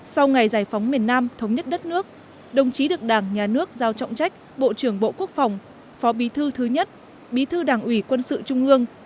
sau ngày giải phóng miền nam thống nhất đất nước đồng chí được đảng nhà nước giao trọng trách bộ trưởng bộ quốc phòng phó bí thư thứ nhất bí thư đảng ủy quân sự trung ương